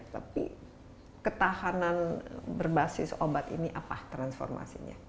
tapi ketahanan berbasis obat ini apa transformasinya